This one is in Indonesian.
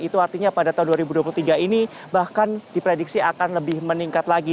itu artinya pada tahun dua ribu dua puluh tiga ini bahkan diprediksi akan lebih meningkat lagi